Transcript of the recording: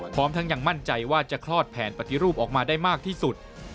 พร้อมทั้งยังมั่นใจว่าจะคลอดแผนปฏิรูปออกมาได้มากที่สุด